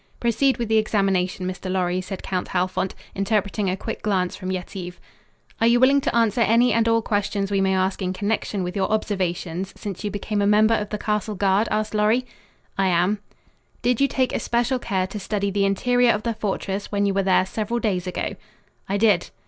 "Proceed with the examination, Mr. Lorry" said Count Halfont, interpreting a quick glance from Yetive. "Are you willing to answer any and all questions we may ask in connection with your observations since you became a member of the castle guard?" asked Lorry. "I am." "Did you take especial care to study the interior of the fortress when you were there several days ago?" "I did."